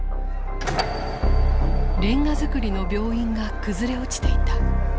煉瓦造りの病院が崩れ落ちていた。